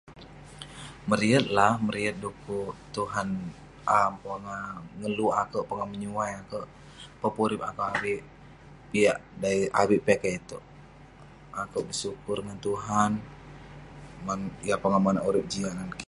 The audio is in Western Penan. Meriyet lah, meriyet dekuk Tuhan um pongah ngeluk akouk, pongah menyuai akouk, pepurip akouk avik piak- avik piak kek itouk. Akouk bersyukur ngan Tuhan man- yah pongah monak urip jiak ngan kik.